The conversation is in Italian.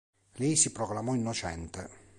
Lei si proclamò innocente.